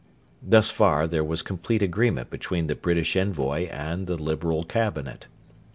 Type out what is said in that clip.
Thus far there was complete agreement between the British envoy and the Liberal Cabinet.